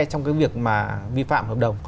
trong việc vi phạm hợp đồng